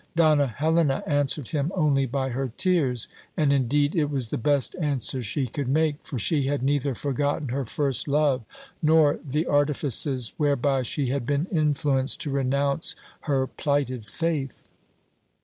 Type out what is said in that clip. Donna Helena answered him only by her tears : and indeed it was the best answer she could make ; for she had neither forgotten her first love, nor the artifices whereby she had been influenced to renounce her plighted faith.